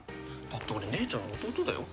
だって俺姉ちゃんの弟だよ？